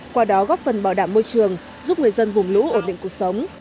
qua đó góp phần bảo đảm môi trường giúp người dân vùng lũ ổn định cuộc sống